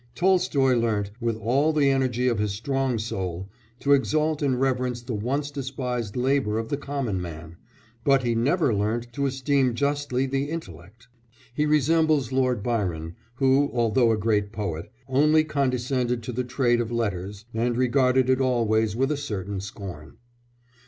Tolstoy learnt, with all the energy of his strong soul, to exalt and reverence the once despised labour of the common man, but he never learnt to esteem justly the intellect; he resembles Lord Byron, who, although a great poet, only condescended to the trade of letters, and regarded it always with a certain scorn.